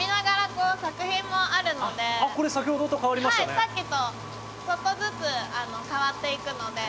さっきとちょっとずつ変わっていくので。